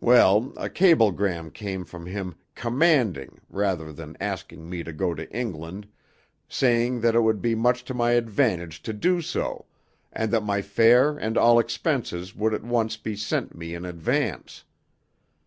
"Well, a cablegram came from him commanding rather than asking me to go to England, saying that it would be much to my advantage to do so, and that my fare and all expenses would at once be sent me in advance.